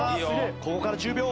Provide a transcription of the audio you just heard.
ここから１０秒。